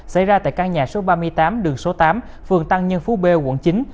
xảy ra tại căn nhà số ba mươi tám đường số tám phường tăng nhân phú b quận chín